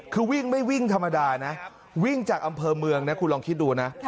คือวิ่งไม่วิ่งธรรมดานะวิ่งจากอำเภอเมืองนะคุณลองคิดดูนะ